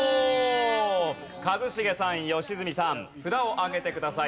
一茂さん良純さん札を上げてください。